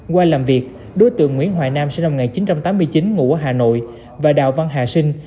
qua làm việc đối tượng nguyễn hoài nam sinh năm một nghìn chín trăm tám mươi chín ngụ ở hà nội và đào văn hà sinh